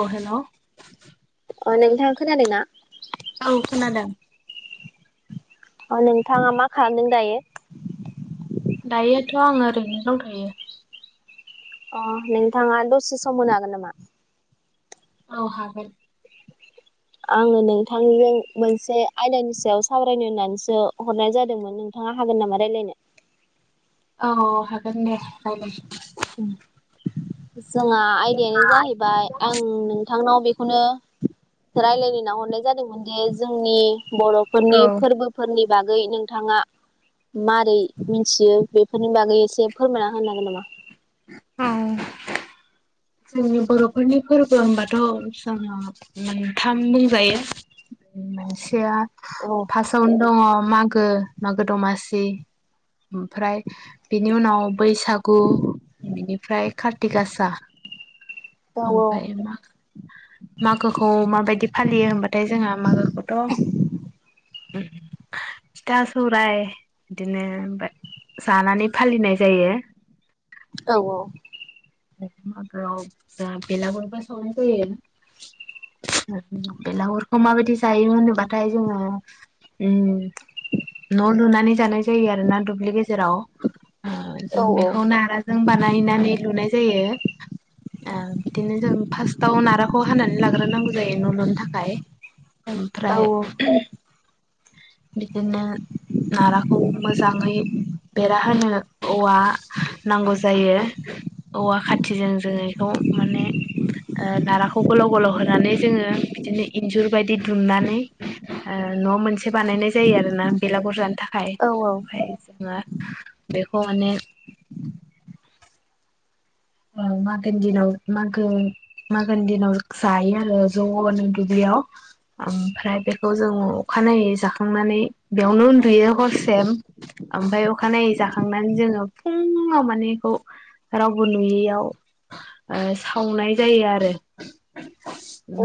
औ हेलौ ओ नोंथांआ खोनादों ना औ खोनादों ओ नोंथांआ मा खालामदों दायो दायोथ' आङो ओरैनो दं थ'यो अ नोंथाङा दसे सम मोननो हागोन नामा औ होन आङो नोंथांजों मोनसे आयदानि सायाव सावरायनो होननानैसो हरनाय जादोंमोन नों थाङ होन नामा राय्लायनो औ हागोन दे औ दे उम जोंहा आयदायानो जाहैबाय आं नोंथां नोंथांनाव बेखौनो रायलायनो नो हरनाय जादोंमोनदि जोंनि बर' फोरनि औ फोरबोफोरनि बागै नोंथांआ मारै मिथियो बेफोरनि बागै एसे फोरमायना होनो हागोन नामा उम औ जोंनि बर'फोरनि फोरबो होनबाथ' उम जोहा मोनथाम बुंजायो मोनसेआ औ फासटआवनो दङ मागो मागो दमासि आमफ्राय बेनि उनाव बैसागु बेनिफ्राय कार्ति गासा औ आमफफ्राय मा मागोखौ माबादि फालियो होनबाथाय जोंहा मागोखौथ' फिथा सौराय बिदिनो जानानै फालिनाय जायो औ औ म फेला ग ब सनो ग [inaudible] बेलागुरखौ माबादि जायोमोन होनोबाथाय जोङो उम न' लुनानि जानाय जायो आरो ना दुब्लि गेजेराव औ जों बेखौ‌ नारा जों बानायनानै लुनाय जायो ओ बिदिनो जों फासटाव नाराखौ हानानै लाग्रोनांगौ जायो न' लुनो थाखाय औ आमफ्राय बिदिनो नाराखौ मोजाङै बेरा होनो औवा नांगौ जायो औवा खाथिजों जोनायखौ माने [inaudible] ओ नाराखौ गोलाव गोलाव होनानै जोङो बिदिनो इन्जुर बादि दुमनानै ओ न' मोनसे बानायनाय जायो आरो ना बेलागुरजानो थाखाय औ फाय खमफाय जोङो बेखौ माने मा उ म [inaudible] मागोनि दिनाव जायो आरो ज'नो दुब्लिआव आमफ्राय बेखौ जों अखानायै जाखांनानै बेआवनो उन्दुयो हरसे आमफफ्राय अखानायै जाखांनानै जोङो फुङाव माने बिखौ रावबो नुयैयाव ओ सावनाय जायो आरो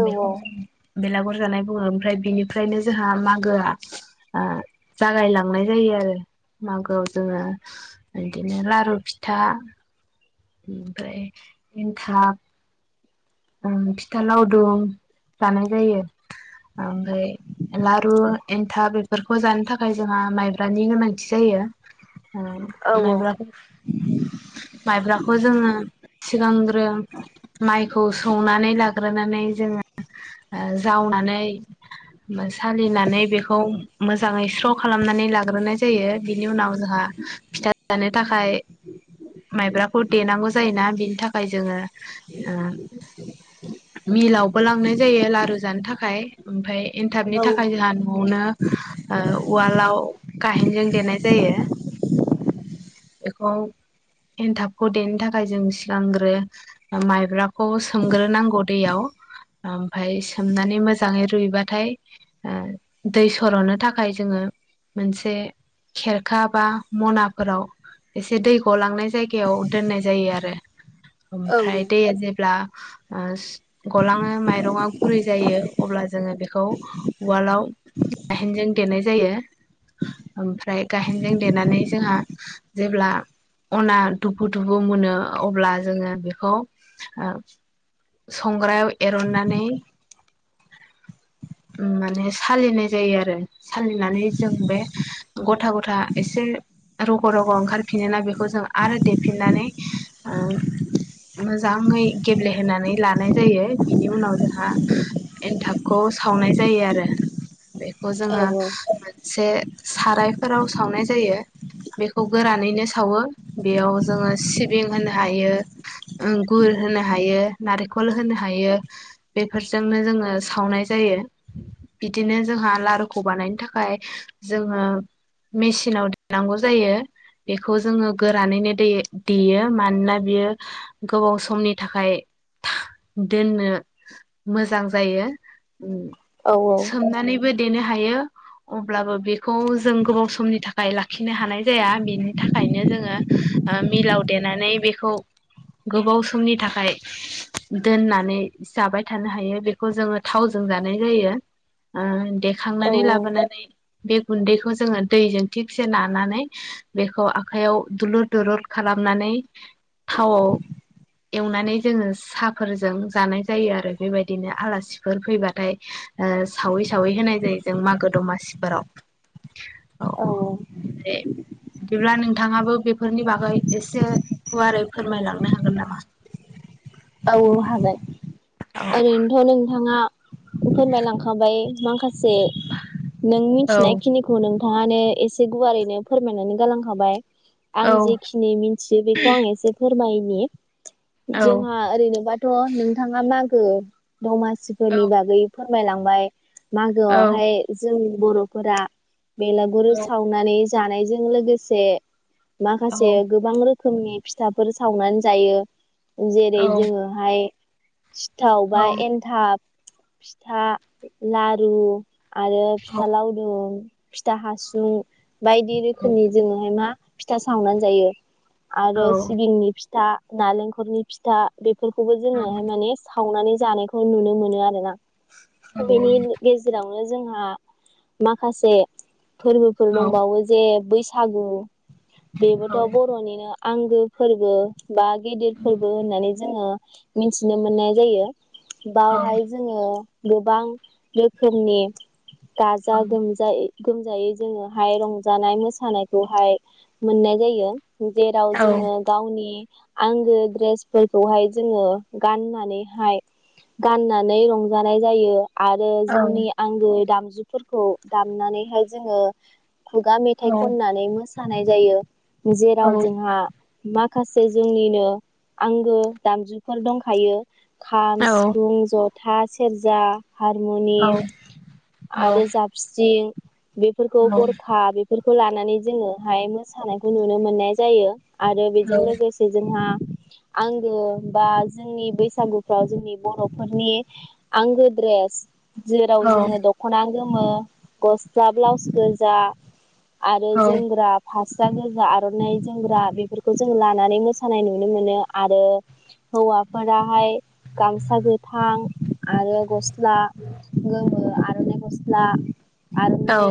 बेखौनो बेलागुर जानाय बुङो आमफ्राय बिनिफ्रायनो जोंहा मागोआ ओ जागाय लांनाय जायो आरो मागोआव जोङो बिदिनो लारु फिथा आमफ्राय एन्थाब ओ फिथा लावदुम जानाय जायो आमफ्राय लारु एन्थाब बेफोरखौ जानो थाखाय जोंहा माइब्रानि गोनांथि जायो औ मब [unintelligible] माइब्राखौ जोङो सिगांग्रो माइ खौ सौनानै लाग्रोनानै जोङो ओ जावनानै उम सालिनानै बेखौ मोजाङै स्र' खालामनानै लाग्रोनाय जायो बिनि उनाव जोंहा फिथा जानो थाखाय माइब्राखौ देनांगौ जायोना बिनि थाखाय जोङो मिलावबो लांनाय जायो लारु जानो थाखाय ओमफाय एन्थाबनि थाखाय औ जोंहा न'आवनो उवालाव गाहेनजों देनाय जायो बेखौ एन्थाबखौ देनो थाखाय जों सिगांग्रो माइब्राखौ खौ सोमग्रोनांगौ दैयाव आमफ्राय सोमनानै मोजाङै रुइबाथाय ओ दै सर'नो थाखाय जोङो मोनसे खेरखा बा मनाफोराव एसे दै गलांनाय जायगायाव दोननाय जायो आरो औ ओमफ्राय दैया जे ब्ला ओ गलाङो माइरङा गुरै जायो अब्ला जोङो बेखौ उवालाव गाहेनजों देनाय जायो ओमफ्राय गाहेनजों देनानै जोंहा जेब्ला अना दुफु दुफु मोनो अब्ला जोङो बेखौ संग्रायाव एरननानै [inaudible] माने सालिनाय जायो आरो सालिनानै जों बे गथा गथा एसे रग' रग' ओंखारफिनोना बेखौ जों आरो देफिननानै मोजां माङै गेब्लेहोनानै लानाय जायो बिनि उनाव जोंहा एन्थाबखौ सावनाय जायो आरो बेखौ जोङो एसे सारायफोराव सावनाय जायो बेखौ गोरानैनो सावो बेयाव जोङो सिबिं होनो हायो ओ गुर होनो हायो नारेंखल होनो हायो बेफोरजोंनो जोङो सावनाय जायो बिदिनो जोंहा लारुखौ बानायनो थाखाय जोङो मेसिनाव देनांगौ जायो बेखौ जोङो गोरानैनो दै देयो मानोना बेयो गोबाव समनि थाखाय दोननो मोजां जायो औ औ नानैबो देनो हायो अब्लाबो बेखौ जों गोबाव समनि थाखाय लाखिनो हानाय जाया बिनि थाखायनो जोङो मिलाव देनानै बेखौ गोबाव समनि थाखाय दोननानै जाबाय थानो हायो बेखौ जोङो थावजों जानाय जायो औ देखांनानै लाबोनानै बे गुन्दैखौ जोङो दैजों थिबसे लानानै बेखौ आखाइयाव दुलुर दलुर खालामनानै थावआव एवनानै जोङो साहाफोरजों जानाय जायो आरो बेबायदिनो आलासिफोर फैबाथाय सावै सावै होनाय जायो जों मागो दमासिफोराव औ औ ओमफ्राय बिदिब्ला नोंथाङाबो बेफोरनि बागै एसे गुवारै फोरमायलांनो हाग जागोन नामा औ हागोन ओरैनोथ' नोंथाङा फोरमायलांखाबाय माखासे नों औ मिथिनाय खिनिखौ नोंथाङानो एसे गुवारैनो फोरमायनानै गालांखाबाय औ आं जेखिनि मिथियो बेखौ आं एसे फोरमायनि औ जों ओरैनोबाथ' नोंथाङा मागो औ दमासिफोरनि बागै फोरमायलांबाय औ मागोआवहाय जोंनि बर'फोरा बेलागुर साव नानै जानायजों लोगोसे औ माखासे गोबां रोखोम रोखोमनि फिथाफोर सावनानै जायो जेरै जोङोहाय सिथाव औ बा एन्थाब फिथा लारु आरो औ फिथा लावदुम फिथा हासुं बायदि रोखोमनि जोङोहाय मा फिथा सावनानै जायो, आरो सिबिंनि फिथा नालेंखरनि फिथा बेफोरखौबो औ जोङो माने सावनानै जानायखौ नुनो मोनो आरोना [unintelligible] जेरावनो जोंहा माखासे फोरबोफोर दंबावो जे बैसागु बेबोथ' बर'निनो आंगो फोरबो बा गेदेर फोरबो होननानै जोङो मिथिनो मोननाय जायो। बावहाय जोङो गोबां रोखोमनि गाजा गोमजायै गोमजायै जोङोहाय रंजानाय मोसानायखौहाय मोननाय जायो। जेराव जोङो गावनि आंगो ड्रेसफोरखौहाय जोङो गाननानैहाय गाननानै रंजानाय जायो। आरो जोंनि औ आंगो दामजुफोरखौ दामनानैहाय जोङो खुगा मेथाइ खननानै मोसानाय जायो, जेराव जोंहा माखासे जोंनिनो आंगो दामजुफोर दंखायो। खाम, सिफुं, जथा, सेरजा हारमुनिम आरो जाबस्रिं बेफोरखौ गरखा बे बेफोरखौ लानानै जोङोहाय मोसानायखौ नुनो मोननाय जायो। आरो बेजों लोगोसे जोंहा आंगो बा जोंनि बैसागुफ्राव जोंनि बर'फोरनि आंगोद्रेस जेराव औ जोङो दख'ना गोमो गस्ला ब्लाउस गोजा आरो औ जोमग्रा फास्रा गोजा आर'नाइ जोमग्रा बेफोरखौ जों लानानै मोसानाय नु नुनो मोनो आरो हौवाफोराहाय गामसा गोथां आरो गस स्ला गोमो आर'नाइ गस्ला औ आर'नाइ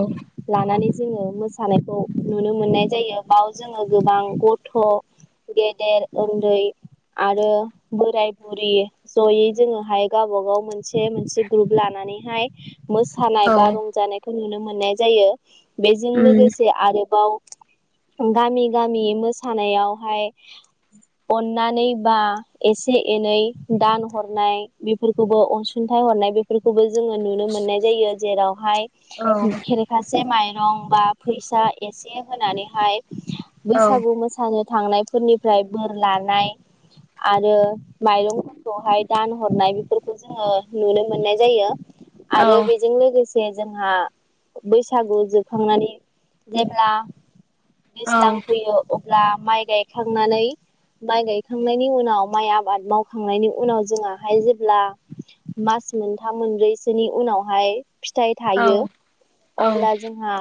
लानानै जोङो मोसानायखौ नुनो मोननाय जायो, बाव जोङो गोबां गथ' गेदेर उन्दै आरो बोराय बुरि जयै जोङोहाय गावबा गाव मोनसे मोनसे ग्रुप लानानैहाय मोस मोसानाय बा औ रंजानायखौ नुनो मोननाय जायो। बेजों उम लोगोसे आरोबाव गामि गामि मोसानायावहाय अननानै बा एसे एनै दान हरनाय बि फोरखौबो अनसुंथाइ हरनाय बेफोरखौबो जोङो नुनो मोननाय जायो, जेरावहाय औ खेरखासे माइरं बा फैसा एसे होनानैहाय औ बैसागु मोसानो थांनायफोरनिफ्राय बोर लानाय आरो माइरंफोरखौहाय दान हरनाय बेफोरखौ जोङो नुनो मोननाय जायो औ आरो बे जों लोगोसे जोंहा बैसागु जोबखांनानै जेब्ला औ दैज्लां फैयो अब्ला माइ गायखांनानै माइ गायखांनायनि उनाव माइ आबाद मावखांनायनि उनाव जोंहाहाय जेब्ला मास मोनथाम मोनब्रैसोनि उनावहाय फिथाइ औ थायो औ अब्ला जोंहा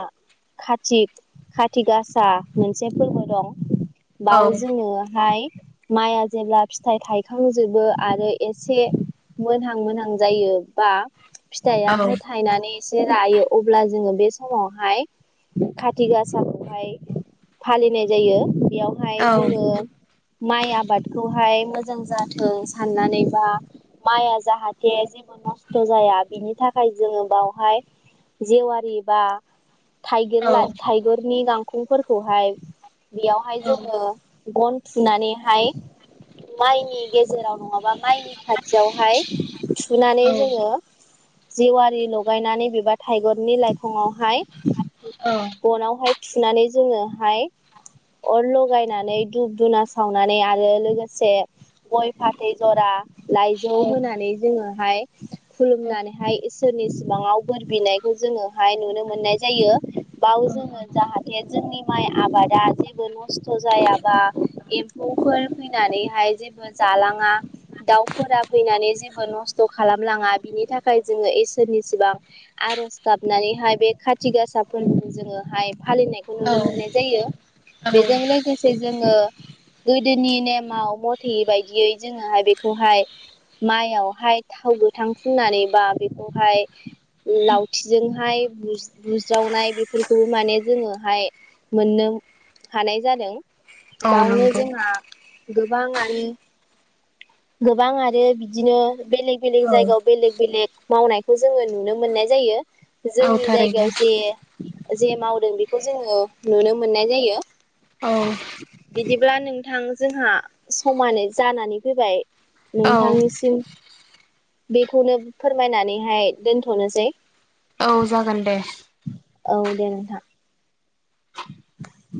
खाटिक खाति गासा मोनसे फोरबो दं। औ बाव जोङोहाय माइआ जेब्ला फिथाइ थायखांजोबो आरो एसे मोनहां मोनहां जायो बा औ फिथायाहाय थायनानै एसे रायो अब्ला जोङो बे समावहाय काटि गासाखौहाय फालिनाय जायो बेयावहाय जोङो माइ आबादखौहाय मोजां जाथों साननानैबा माइआ जाहाथे जेबो नस्थ' जाया बिनि थाखाय जोङो बावहाय जेवारि बा थाइगिर ला थाइगिरनि गांखंफोरखौहाय बेयावहाय जों गन थुनानैहाय माइनि गेजेराव नङाबा माइनि खाथियावहाय सुनानै जोङो जेवारि लगायनानै बेबा थाइगरनि लाइखङावहाय औ गनावहाय थुनानै जोङोहाय अर ल' लगायनानै धुुब धुना सावनानै आरो लोगोसे गय फाथै जरा लाइजौ होनानै जोङोहाय खुलुमनानैहाय इसे सोरनि सिमाङाव बोर बिनायखौ जोङोहाय नुनो मोननाय जायो बाव जोङो जाहा जोंनि माइ आबादा जेबो न नस्थ' जायाबा एम्फौफोर फैनानैहाय जेबो जालाङा दाउफोरा फैनानै जेबो नस्थ' खालामलाङा बिनि थाखाय जोङो इसोरनि सिबां आरज गाबनानैहाय बे खाथि गासा फोरखौ जोङोहाय फालिनायखौ खौ औ नुनो मोननाय जायो बेजों लोगोसे जोङो गोदोनि नेमाव मथे बायदियै जोङोहाय बेखौहाय माइयावहाय थावगोथां फुननानै बा बेखौहाय लावथिजोंहाय बुज-बुज्रावनाय बेफोरखौबो माने जोङोहाय मोननो हानाय जादों औ बावनो नंगौ जोंहा गोबां आरो गोबां आरो बिदिनो बेलेग बेलेग औ जायगायाव बेलेक बेलेग मावनायखौ जोङो नुनो मोननाय जायो औ जोंनि थारैनो जायगायाव जे जे मावदों बेखौ जोङो नुनो मोननाय जायो। औ बिदिब्ला नोंथां जोंहा समानै जानानै फैबाय औ नोंथांनिसिम बेखौनो फोरमायनानैहाय दोनथ'नोसै औ जागोन दे। औ दे नोंथां।